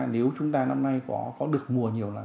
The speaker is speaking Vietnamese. nếu chúng ta năm nay có được mùa